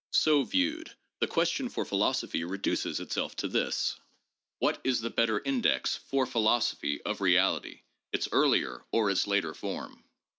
So viewed, the question for philos ophy reduces itself to this : What is the better index, for philosophy, of reality : its earlier or its later form